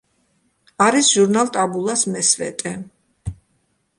არის ჟურნალ ტაბულას მესვეტე.